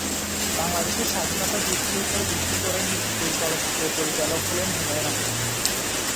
বাংলাদেশের স্বাধীনতা যুদ্ধের উপর ভিত্তি করে নির্মিত এই চলচ্চিত্রের পরিচালক হলেন হুমায়ূন আহমেদ।